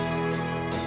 supaya beliau lebih khusus